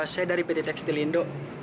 saya dari pt tekstil indo